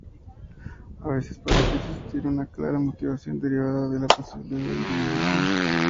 A veces parece existir una clara motivación derivada de la posibilidad de indemnización.